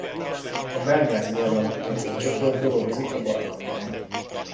A Bányász Barlangkutató Csoport dolgozik a barlangban.